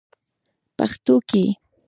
پښتو کې: